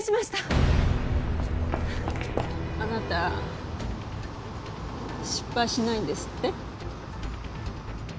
あなた失敗しないんですって？